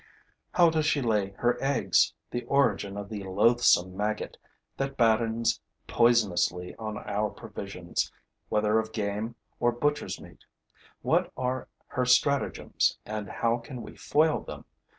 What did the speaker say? How does she lay her eggs, the origin of the loathsome maggot that battens poisonously on our provisions, whether of game or butcher's meat? What are her stratagems and how can we foil them?